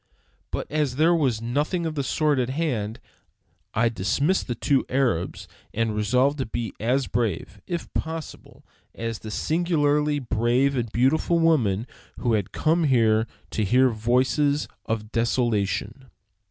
But as there was nothing of the sort at hand, I dismissed the two Arabs and resolved to be as brave, if possible, as the singularly brave and beautiful woman who had come here to hear the voices of desolation.